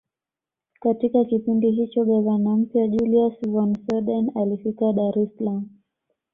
Katika kipindi hicho gavana mpya Julius von Soden alifika Dar es salaam